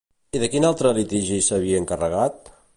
I de quin altre litigi s'havia encarregat?